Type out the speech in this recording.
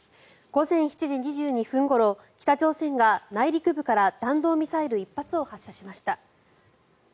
午前７時２２分ごろ北朝鮮が内陸部から弾道ミサイル１発を発射しました。